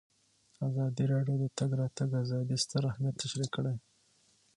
ازادي راډیو د د تګ راتګ ازادي ستر اهميت تشریح کړی.